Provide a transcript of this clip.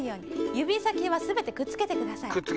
ゆびさきはすべてくっつけてください。